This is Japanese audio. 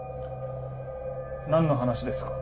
なんの話ですか？